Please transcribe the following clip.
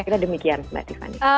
kita demikian mbak tiffany